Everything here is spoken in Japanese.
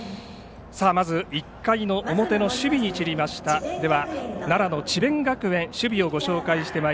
まず１回の表の守備に散りました奈良の智弁学園の守備です。